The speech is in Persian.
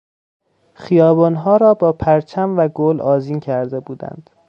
خیابانها را با پرچم و گل آذین کرده بودند.